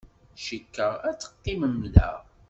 Cikkeɣ ad teqqimem da.